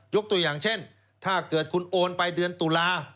ตัวอย่างเช่นถ้าเกิดคุณโอนไปเดือนตุลา